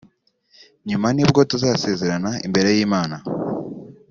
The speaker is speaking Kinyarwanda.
nyuma nibwo tuzasezerana imbere y’Imana